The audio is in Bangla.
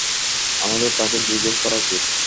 আমাদের তাকে জিজ্ঞেস করা উচিত।